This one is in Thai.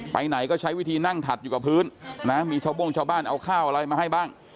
ไปไหนก็ใช้วิธีนั่งถัดอยู่กับพื้นนะมีชาวโบ้งชาวบ้านเอาข้าวอะไรมาให้บ้าง